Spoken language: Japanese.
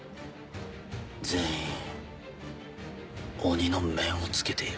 全員鬼の面を着けている。